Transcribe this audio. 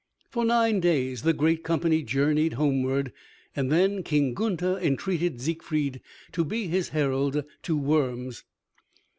For nine days the great company journeyed homeward, and then King Gunther entreated Siegfried to be his herald to Worms.